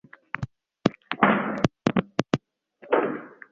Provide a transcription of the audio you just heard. Mlima wa Mungu Ol Doinyo Lengai unapatikana kaskazini mwa Tanzania